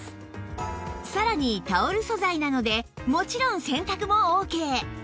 さらにタオル素材なのでもちろん洗濯もオーケー